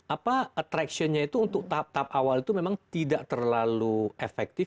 dan kita lihat sih memang apa attraction nya itu untuk tahap tahap awal itu memang tidak terlalu efektif